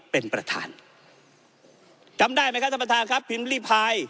เป็นประธานจำได้ไหมครับท่านประธานครับพิมพ์ริพาย